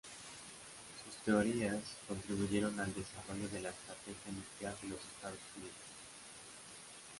Sus teorías contribuyeron al desarrollo de la estrategia nuclear de los Estados Unidos.